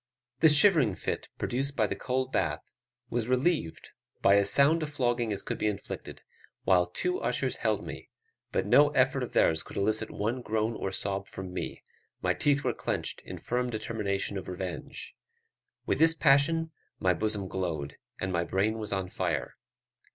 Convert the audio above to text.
The shivering fit produced by the cold bath was relieved by as sound a flogging as could be inflicted, while two ushers held me; but no effort of theirs could elicit one groan or sob from me, my teeth were clenched in firm determination of revenge: with this passion my bosom glowed, and my brain was on fire.